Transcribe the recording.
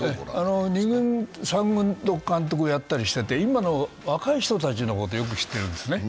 ２軍、３軍の監督をやったりしてて、今の若い人のことをよく知ってるんですね。